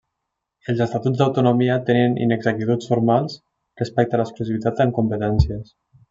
Els estatuts d'autonomia tenien inexactituds formals respecte a l'exclusivitat en competències.